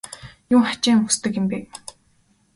Юун хачин юм хүсдэг юм бэ?